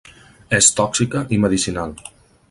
És tòxica i medicinal.